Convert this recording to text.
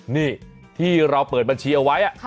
นี่ที่เราเปิดบัญชีเอาไว้